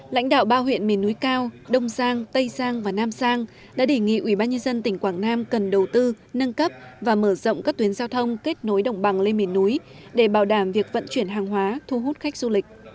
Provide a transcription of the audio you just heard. lãnh đạo ba huyện miền núi cao đông giang tây giang và nam giang đã đề nghị ubnd tỉnh quảng nam cần đầu tư nâng cấp và mở rộng các tuyến giao thông kết nối đồng bằng lên miền núi để bảo đảm việc vận chuyển hàng hóa thu hút khách du lịch